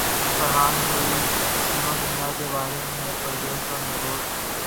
فرحان سعید سنو چندا کے بارے میں پرجوش اور نروس